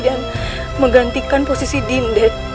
dan menggantikan posisi dinda